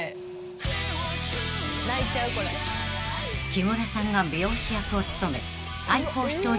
［木村さんが美容師役を務め］